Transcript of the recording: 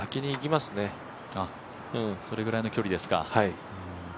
それぐらいの距離ですか。